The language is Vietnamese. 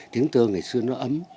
tiếng tơ ngày xưa nó ấm